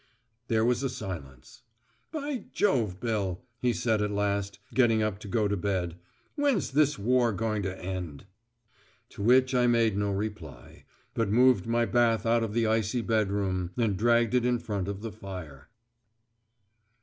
There was a silence. "By Jove, Bill," he said at last, getting up to go to bed. "When's this war going to end?" To which I made no reply, but moved my bath out of the icy bedroom and dragged it in front of the fire.